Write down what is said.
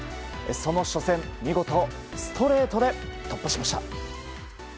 その初戦見事ストレートで突破しました。